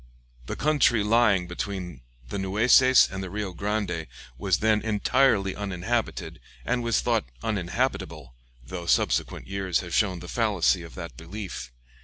The country lying between the Nueces and the Rio Grande was then entirely uninhabited, and was thought uninhabitable, though subsequent years have shown the fallacy of that belief.